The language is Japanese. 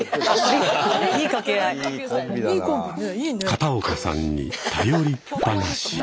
片岡さんに頼りっぱなし。